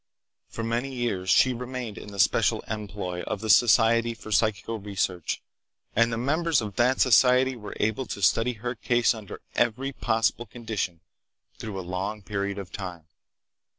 For many years she remained in the special employ of the Society for Psychical Research, and the members of that society were able to study her case under every possible condition through a long period of time.